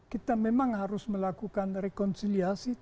kita memang harus melakukan rekonsiliasi